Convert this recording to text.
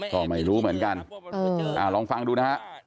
ก็ไม่รู้เหมือนกันลองฟังดูนะฮะ